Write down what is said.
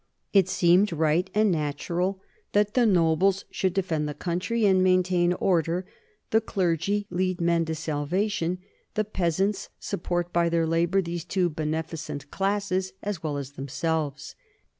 It seemed right and natural that the nobles should defend the country and maintain order, the clergy lead men to salvation, the peasants support by their labor these two beneficent classes, as well as themselves.